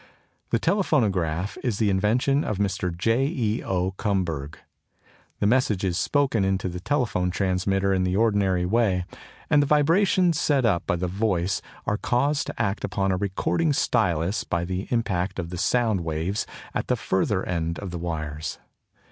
The Telephonograph is the invention of Mr. J. E. O. Kumberg. The message is spoken into the telephone transmitter in the ordinary way, and the vibrations set up by the voice are caused to act upon a recording stylus by the impact of the sound waves at the further end of the wires.